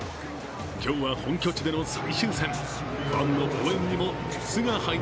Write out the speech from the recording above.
今日は本拠地での最終戦。